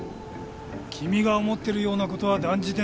君が思ってるような事は断じてない。